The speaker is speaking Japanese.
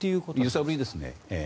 揺さぶりですね。